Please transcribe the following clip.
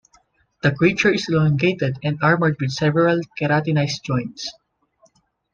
The creature is elongated and armored with several keratinized joints.